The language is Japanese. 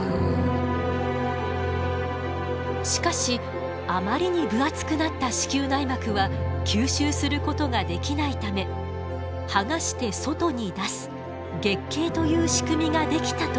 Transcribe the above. しかしあまりに分厚くなった子宮内膜は吸収することができないためはがして外に出す月経という仕組みが出来たと考えられています。